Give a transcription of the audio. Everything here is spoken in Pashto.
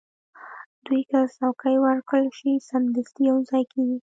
دوی که څوکۍ ورکړل شي، سمدستي یو ځای کېږي.